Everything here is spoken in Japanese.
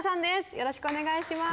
よろしくお願いします。